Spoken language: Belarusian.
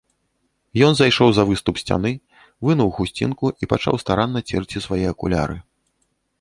Ён зайшоў за выступ сцяны, выняў хусцінку і пачаў старанна церці свае акуляры.